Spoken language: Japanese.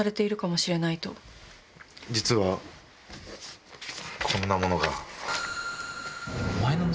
実はこんなものが。